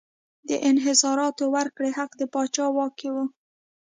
د انحصاراتو ورکړې حق د پاچا واک و.